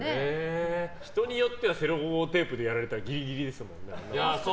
人によってはセロテープでやられたらギリギリですもんね。